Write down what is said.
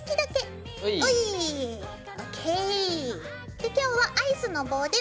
で今日はアイスの棒で混ぜます。